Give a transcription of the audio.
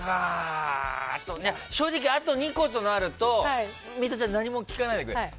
正直あと２個となるとミトちゃんは何も聞かないでくれ。